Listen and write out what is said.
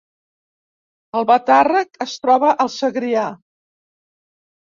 Albatàrrec es troba al Segrià